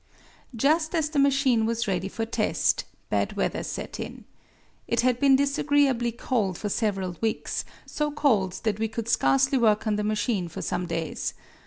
Just as the machine was ready for test bad weather set in. It had been disagreeably cold for several weeks, so cold that we could scarcely work on the machine for some days.